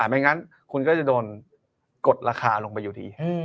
ไม่งั้นคุณก็จะโดนกดราคาลงไปอยู่ดี